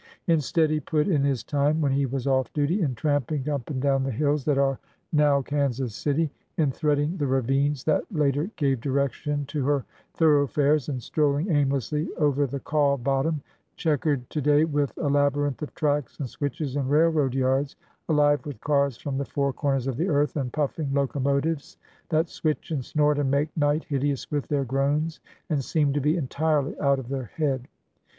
Instead, he put in his time, when he was off duty, in tramping up and down the hills FORTY YEARS AGO 349 that are now Kansas City, in threading the ravines that later gave direction to her thoroughfares, and strolling aimlessly over the Kaw bottom, checkered to day with a labyrinth of tracks and switches and railroad yards, alive with cars from the four corners of the earth, and puffing locomotives that switch and snort and make night hideous with their groans and seem to be entirely out of their head.